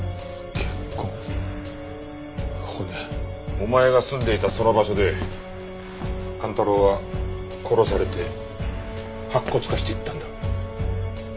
お前が住んでいたその場所で寛太郎は殺されて白骨化していったんだ。